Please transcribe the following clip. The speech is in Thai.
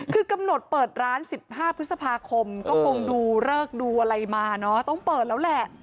คือกำหนดเปิดร้าน๑๕พฤษภาคมก็คงดูเลิกดูอะไรมาเนอะต้องเปิดแล้วแหละ